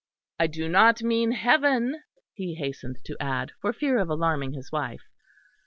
I do not mean heaven," he hastened to add, for fear of alarming his wife.